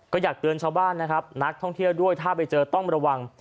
ก็อยากเตือนชาวบ้านนะครับนักท่องเที่ยวด้วยถ้าไปเจอต้องระวัง